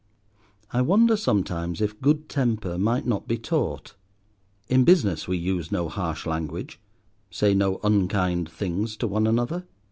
I wonder sometimes if good temper might not be taught. In business we use no harsh language, say no unkind things to one another.